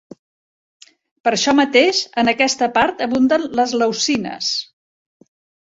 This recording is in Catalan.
Per això mateix en aquesta part abunden les leucines.